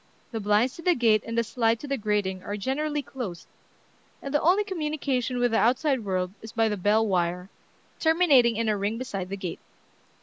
The blinds to the gate and the slide to the grating are generally closed, and the only communication with the outside world is by the bell wire, terminating in a ring beside the gate.